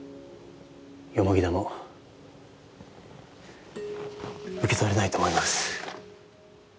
田も受け取れないと思います。